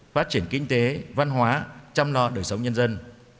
phát triển kinh tế văn hóa chăm lo đời sống nhân dân